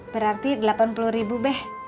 berarti delapan puluh ribu beh